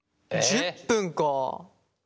１０分か。